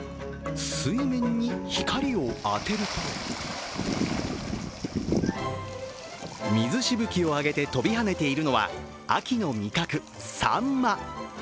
水面に光を当てると水しぶきを上げて飛び跳ねているのは秋の味覚・さんま。